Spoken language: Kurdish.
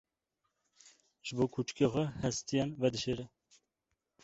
Ji bo kûçikê xwe hestiyan vedişêre.